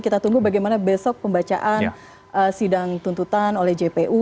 kita tunggu bagaimana besok pembacaan sidang tuntutan oleh jpu